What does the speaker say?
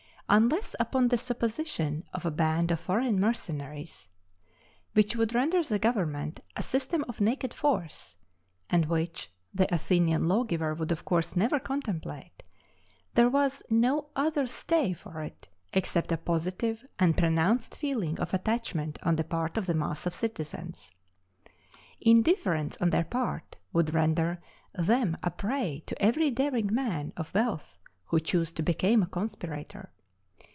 Unless upon the supposition of a band of foreign mercenaries which would render the government a system of naked force, and which the Athenian lawgiver would of course never contemplate there was no other stay for it except a positive and pronounced feeling of attachment on the part of the mass of citizens. Indifference on their part would render them a prey to every daring man of wealth who chose to become a conspirator.